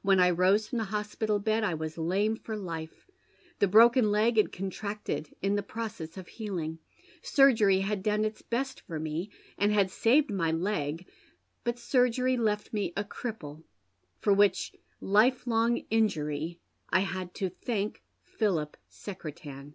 When I rose from the hospital bed I was lame for life. The broken leg had contracted in the process of healing. Surgery had done its best for me, and had saved my leg ; but surgery left me a cripple, for which life long injury I had to thank Philip Secretan.